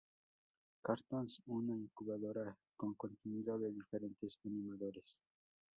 Cartoons, una incubadora con contenido de diferentes animadores.